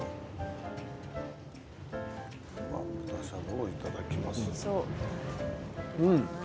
豚しゃぶをいただきます。